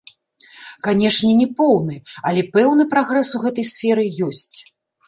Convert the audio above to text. Канешне, не поўны, але пэўны прагрэс у гэтай сферы ёсць.